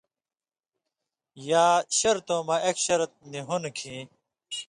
یا شرطؤں مہ ایک شرط نی ہون٘د کھیں